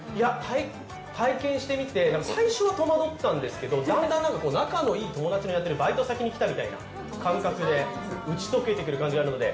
体験してみて、最初は戸惑ったんですけど、だんだん仲のいい友達がやっているバイト先に来たみたいな感覚で打ち解けてくる感覚があるので。